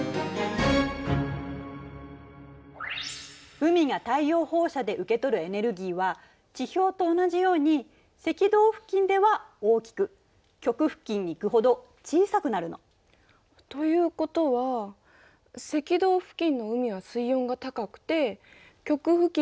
海が太陽放射で受け取るエネルギーは地表と同じように赤道付近では大きく極付近に行くほど小さくなるの。ということは赤道付近の海は水温が高くて極付近の海は水温が低い？